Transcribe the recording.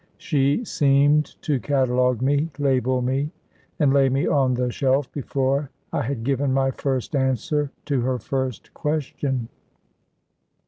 She seemed to catalogue me, label me, and lay me on the shelf, before I had given my first answer to her first question.